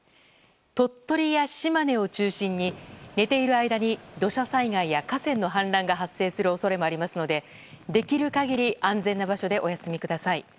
鳥取や島根を中心に寝ている間に土砂災害や河川の氾濫が発生する恐れもありますのでできる限り安全な場所でお休みください。